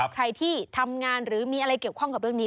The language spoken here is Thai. ใครที่ทำงานหรือมีอะไรเกี่ยวข้องกับเรื่องนี้